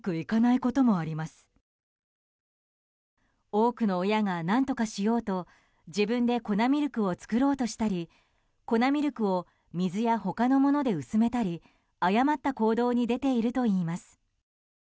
多くの親が何とかしようと自分で粉ミルクを作ろうとしたり粉ミルクを水や他のもので薄めたり誤った行動に出ているといいます。